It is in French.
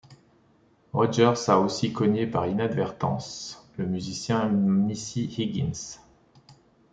Rogers a aussi cogné par inadvertance le musicien Missy Higgins.